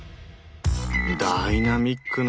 ダイナミックね！